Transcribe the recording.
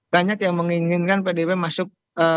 banyak yang menginginkan pdip masuk